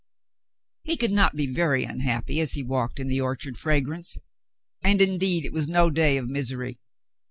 He could not be very unhappy as he walked in the orchard fragrance. And indeed it was no day of misery.